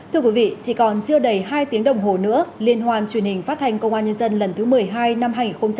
thưa quý vị chỉ còn chưa đầy hai tiếng đồng hồ nữa liên hoan truyền hình phát thanh công an nhân dân lần thứ một mươi hai năm hai nghìn hai mươi